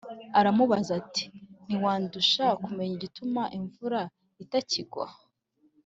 aramubaza ati: “ntiwandusha kumenya igituma imvura itakigwa?